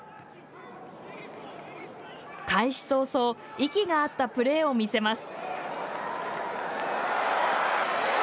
開始早々息が合ったプレー見せます。